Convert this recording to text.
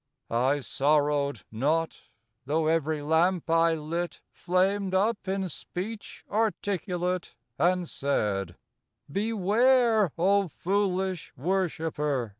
I sorrowed not; though every lamp I lit Flamed up in speech articulate and said, Beware, O foolish Worshipper!